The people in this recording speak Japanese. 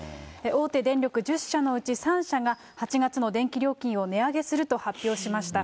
大手電力１０社のうち３社が８月の電気料金を値上げすると発表しました。